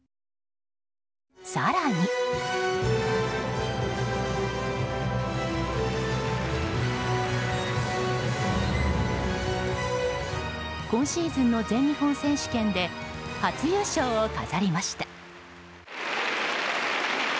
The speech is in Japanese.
更に今シーズンの全日本選手権で初優勝を飾りました。